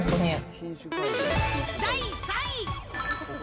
第３位。